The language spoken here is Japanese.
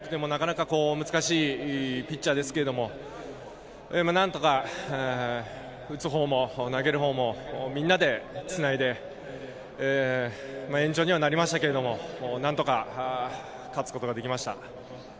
チャンスも得点もなかなか難しいピッチャーですけども何とか打つ方も投げる方もみんなでつないで、延長にはなりましたけど、なんとか勝つことができました。